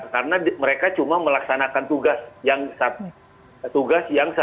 karena mereka cuma melaksanakan tugas yang seharusnya